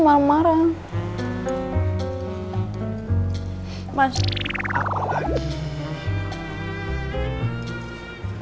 bertheats b sawdang tidak enak